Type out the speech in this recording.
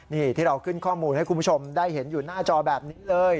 นี่ที่เราขึ้นข้อมูลให้คุณผู้ชมได้เห็นอยู่หน้าจอแบบนี้เลย